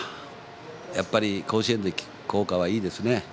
やっぱり甲子園で聴く校歌はいいですね。